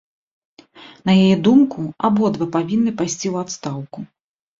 На яе думку, абодва павінны пайсці ў адстаўку.